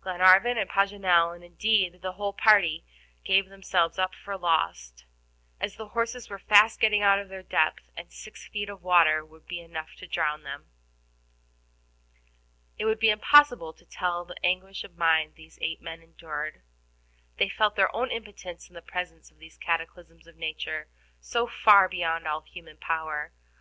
Glenarvan and Paganel, and, indeed, the whole party, gave themselves up for lost, as the horses were fast getting out of their depth, and six feet of water would be enough to drown them. It would be impossible to tell the anguish of mind these eight men endured; they felt their own impotence in the presence of these cataclysms of nature so far beyond all human power.